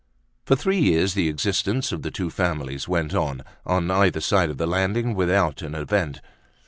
For three years the existence of the two families went on, on either side of the landing, without an event.